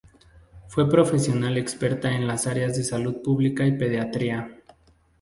Fue profesional experta en las áreas de Salud Pública y Pediatría.